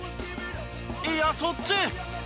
いやそっち？